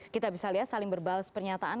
kita bisa lihat saling berbalas pernyataan